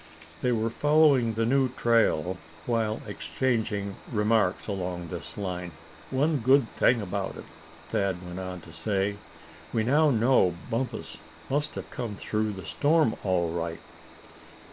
They were following the new trail while exchanging remarks along this line. "One good thing about it," Thad went on to say, "we now know Bumpus must have come through the storm all right."